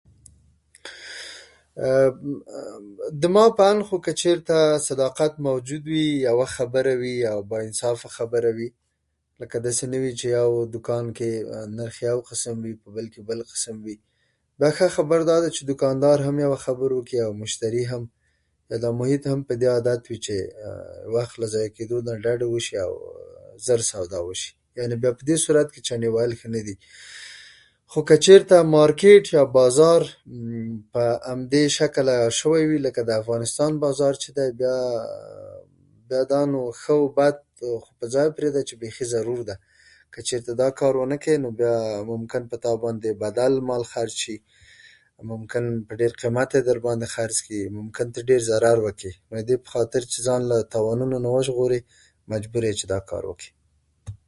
د زما په اند که چېرې صداقت موجود وي، یوه خبره باانصافه خبره وي، لکه داسې نه وي چې یو دوکان کې نرخ یو قسم وي، بل کې بل قسم وي. دا ښه خبره دا ده چې دوکاندار هم یوه خبره وکړي او مشتري هم. که دا محیط هم په دې عادت وي چې وخت له ضایع کېدو نه ډډه وشي او ژر سودا وشي، یعنې بیا په دې صورت کې چنې وهل ښه نه دي. خو که چېرته مارکېټ او بازار په همدې شکل شوی وي، لکه د افغانستان بازار چې دی، بیا دا نو ښه او بد پر ځای پرېږده چې بېخي ضرور ده. که چېرته دا کار ونه کوې، بیا نو ممکن په تا باندې بدل مال خرڅ کړلی شي، ممکن په ډېر قیمت یې درباندې خرڅ کړي، ممکن ته ډېر ضرر وکړې. باید د دې په خاطر چې ځان له تاوان نه وژغورې، مجبور یې چې دا کار وکړې.